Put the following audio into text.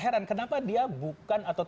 heran kenapa dia bukan atau